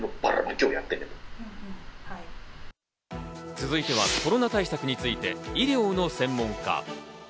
続いては、コロナ対策について医療の専門家。